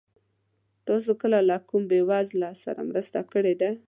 تاسو کله له کوم بېوزله سره مرسته کړې ده؟